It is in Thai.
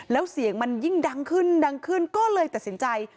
แล้วเสียงมันยิ่งดังขึ้นดังขึ้นก็เลยตัดสินใจ